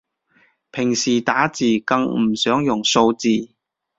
平時打字更唔想用數字